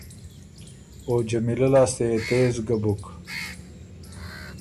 او جمیلۀ لاسته يې تېز ګۀ بُک۔